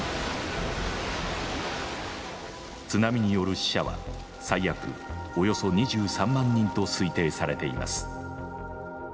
津波による死者は最悪およそ２３万人と推定されています。